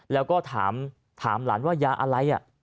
แล้วก็ถามหลานว่ายาอะไร